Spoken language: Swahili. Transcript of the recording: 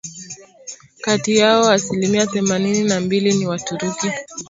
Kati yao asilimia themanini na mbili ni Waturuki